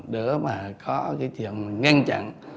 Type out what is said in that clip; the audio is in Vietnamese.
để mà có cái chuyện ngăn chặn